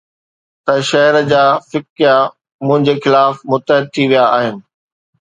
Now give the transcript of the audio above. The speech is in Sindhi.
ته شهر جا فقيه منهنجي خلاف متحد ٿي ويا آهن